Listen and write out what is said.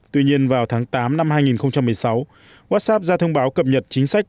tuy nhiên vào tháng tám năm hai nghìn một mươi sáu whatsapp ra thông báo cập nhật chính sách